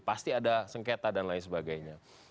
pasti ada sengketa dan lain sebagainya